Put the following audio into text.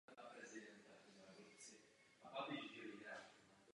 Jeho manželka Matilda se stala anglickou královnou.